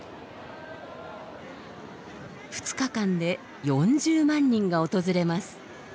２日間で４０万人が訪れます。